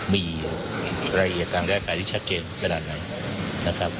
มีรายละเอียดตามร่างกายที่ชัดเจนขนาดไหนนะครับ